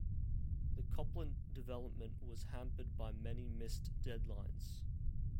The Copland development was hampered by many missed deadlines.